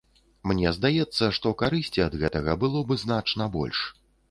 Мне здаецца, што карысці ад гэтага было б значна больш.